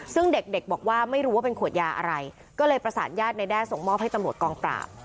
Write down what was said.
ซึ่งเด็กบอกว่าไม่รู้ว่าเป็นขวดยาอะไรก็เลยประสานญาติในแด้ส่งมอบให้ตำรวจกองปราบ